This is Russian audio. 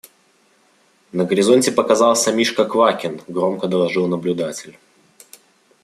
На горизонте показался Мишка Квакин! – громко доложил наблюдатель.